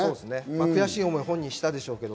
悔しい思い、本人はしたでしょうけれど。